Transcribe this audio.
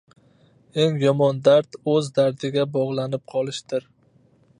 Eng yomon dard o‘z dardiga bog‘lanib qolishdir.